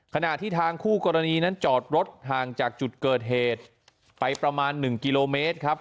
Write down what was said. ขณะที่ทางคู่กรณีนั้นจอดรถห่างจากจุดเกิดเหตุไปประมาณ๑กิโลเมตรครับ